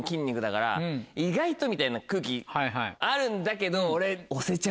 「意外と」みたいな空気あるんだけど俺。